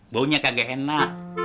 baunya kagak enak